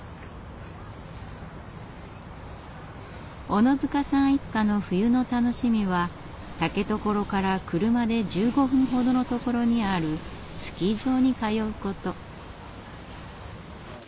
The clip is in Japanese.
小野塚さん一家の冬の楽しみは竹所から車で１５分ほどのところにあるスキー場に通うこと。